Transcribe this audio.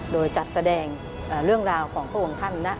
โดยจัดแสดงเรื่องราวของพระองค์ท่านนะ